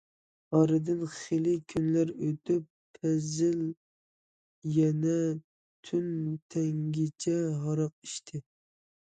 ئارىدىن خېلى كۈنلەر ئۆتۈپ، پازىل يەنە تۈن تەڭگىچە ھاراق ئىچتى.